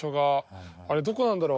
あれどこなんだろう？